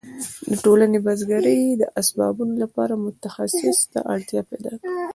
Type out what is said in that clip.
ټولنې د بزګرۍ اسبابو لپاره متخصص ته اړتیا پیدا کړه.